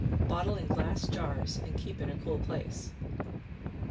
Bottle in glass jars and keep in a cool place.